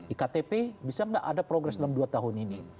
iktp bisa nggak ada progres dalam dua tahun ini